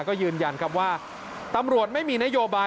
ก็ยืนยันครับว่าตำรวจไม่มีนโยบาย